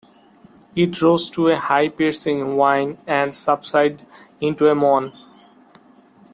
It rose to a high piercing whine and subsided into a moan.